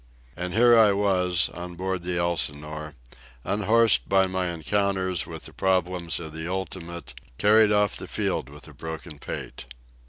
And here I was, on board the Elsinore, unhorsed by my encounters with the problems of the ultimate, carried off the field with a broken pate.